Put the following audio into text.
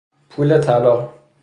پول طلا